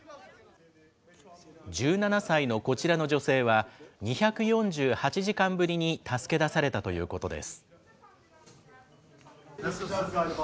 １７歳のこちらの女性は、２４８時間ぶりに助け出されたということです。